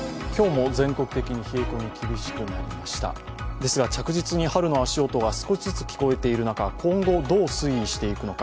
ですが着実に春の足音が少しずつ聞こえている中、今後、どう推移していくのか。